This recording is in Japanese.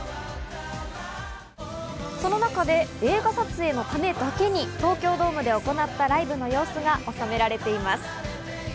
その中で映画撮影のためだけに、東京ドームで行ったライブの様子が収められています。